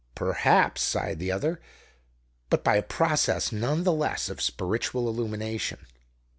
"Perhaps," sighed the other; "but by a process, none the less, of spiritual illumination.